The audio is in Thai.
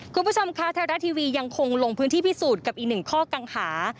คุณผู้ชมคะไทยรัฐทีวียังคงลงพื้นที่พิสูจน์กับอีกหนึ่งข้อกังหา